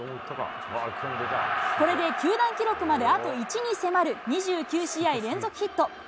これで球団記録まで、あと１に迫る２９試合連続ヒット。